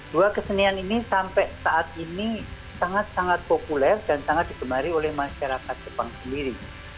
dua kesenian ini sampai saat ini sangat sangat populer dan sangat digemari oleh masyarakat jepang sendiri